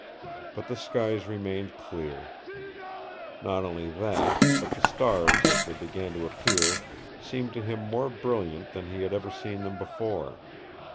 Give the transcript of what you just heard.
But the skies remained clear. Not only that, but the stars as they began to appear seemed to him more brilliant than he had ever seen them before.